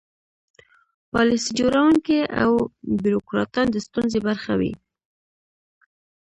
پالیسي جوړوونکي او بیروکراټان د ستونزې برخه وي.